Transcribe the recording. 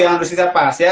yang harus kita pas ya